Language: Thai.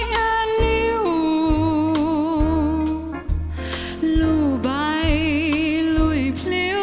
โปรดติดตามต่อไป